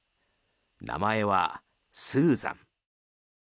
名前はスーザン。